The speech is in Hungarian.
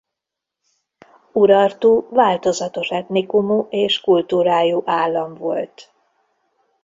Urartu változatos etnikumú és kultúrájú állam volt.